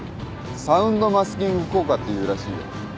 サウンドマスキング効果っていうらしいよ。